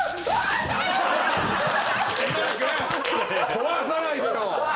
壊さないでよ。